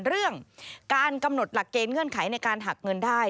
เรื่องการกำหนดหลักเกณฑ์เงื่อนไขในการหักเงินได้